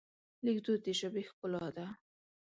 لیکدود د ژبې ښکلا ده.